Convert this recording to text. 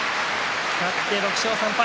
勝って６勝３敗。